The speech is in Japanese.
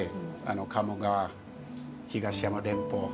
鴨川、東山連峰